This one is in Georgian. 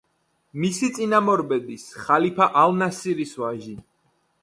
მისი წინამორბედის, ხალიფა ალ-ნასირის ვაჟი.